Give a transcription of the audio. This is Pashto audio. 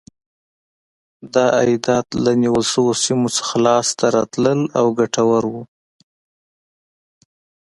دا عایدات له نیول شویو سیمو څخه لاسته راتلل او ګټور و.